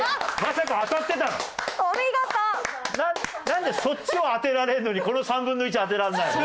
なんでそっちを当てられるのにこの３分の１を当てられないの？